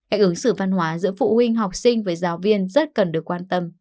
cách ứng xử văn hóa giữa phụ huynh học sinh với giáo viên rất cần được quan tâm